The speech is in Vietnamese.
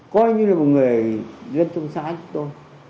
coi như là một người dân trong xã chúng tôi